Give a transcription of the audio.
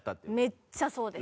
めっちゃそうです。